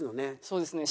そうですね。